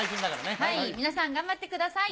はい皆さん頑張ってください。